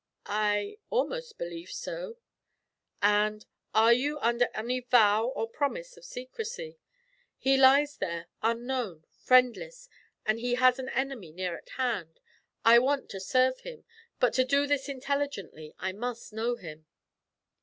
'I almost believe so.' 'And are you under any vow or promise of secrecy? He lies there, unknown, friendless; and he has an enemy near at hand. I want to serve him, but to do this intelligently I must know him.'